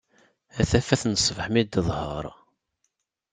A tafat n ṣbeḥ mi d-teḍher.